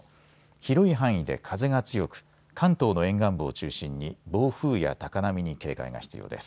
広い範囲で風が強く関東の沿岸部を中心に暴風や高波に警戒が必要です。